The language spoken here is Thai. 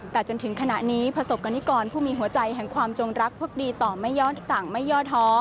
แต่จนถึงขณะนี้ประสบกรณิกรผู้มีหัวใจแห่งความจงรักภักดีต่อไม่ย้อนต่างไม่ย่อท้อ